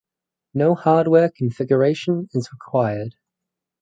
No hardware configuration is required.